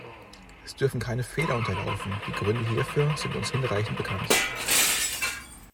Es dürfen keine Fehler unterlaufen, die Gründe hierfür sind uns hinreichend bekannt.